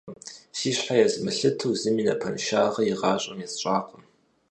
Си щхьэ езмылъыту зыми напэншагъэ игъащӀэм есщӀакъым.